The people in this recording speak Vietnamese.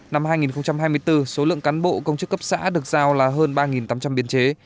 năm hai nghìn hai mươi bốn số lượng cán bộ công chức cấp xã được giao là hơn ba tám trăm linh biên chế